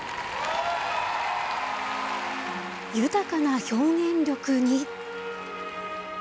豊かな表現力に。